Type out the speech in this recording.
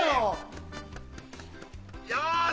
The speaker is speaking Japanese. よし！